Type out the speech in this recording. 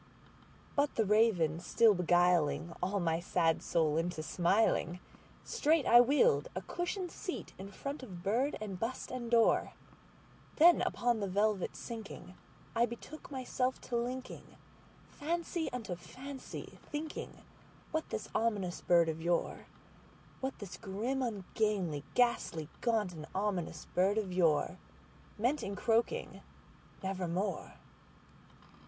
'But the Raven still beguiling all my fancy into smiling, Straight I wheeled a cushioned seat in front of bird and bust and door; Then, upon the velvet sinking, I betook myself to linkingFancy unto fancy, thinking what this ominous bird of yore, What this grim, ungainly, ghastly, gaunt, and ominous bird of yoreMeant in croaking "Nevermore."